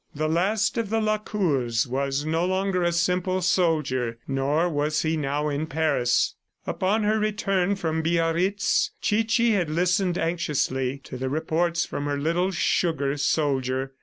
The last of the Lacours was no longer a simple soldier, nor was he now in Paris. Upon her return from Biarritz, Chichi had listened anxiously to the reports from her little sugar soldier.